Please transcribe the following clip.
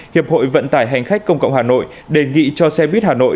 hiệp hội vận tải hành khách công cộng hà nội đề nghị cho xe buýt hà nội